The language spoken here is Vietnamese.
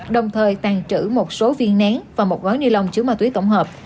đồng thời tàn trữ một số viên nén và một gói ni lông chứa ma túy tổng hợp